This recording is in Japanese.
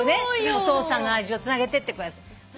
お父さんの味をつなげてってください。